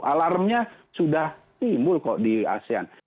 alarmnya sudah timbul kok di asean